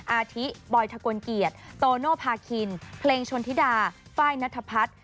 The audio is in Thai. อาทิบอยทะกลเกียรติโตโนภาคินเพลงชนธิดาไฟล์นัทพัฒน์